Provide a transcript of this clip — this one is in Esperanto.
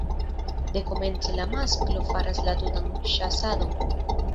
Dekomence la masklo faras la tutan ĉasadon.